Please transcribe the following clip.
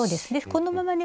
このままね